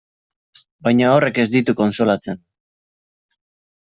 Baina horrek ez ditu kontsolatzen.